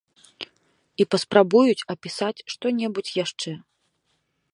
І паспрабуюць апісаць што-небудзь яшчэ.